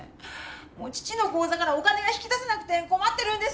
もう父の口座からお金が引き出せなくて困ってるんです！